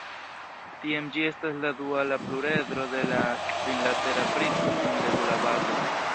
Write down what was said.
Tiam gi estas la duala pluredro de la kvinlatera prismo kun regula bazo.